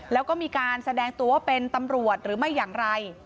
แล้วก็มีการแสดงตัวว่าเป็นตำรวจหรือไม่อย่างไร